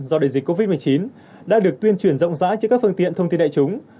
do đại dịch covid một mươi chín đã được tuyên truyền rộng rãi trên các phương tiện thông tin đại chúng